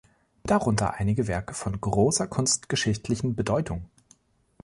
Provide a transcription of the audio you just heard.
Darunter einige Werke von großer kunstgeschichtlichen Bedeutung.